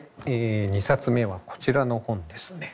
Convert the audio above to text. え２冊目はこちらの本ですね。